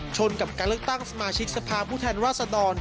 กับการเลือกตั้งสมาชิกสภาพผู้แทนราษดร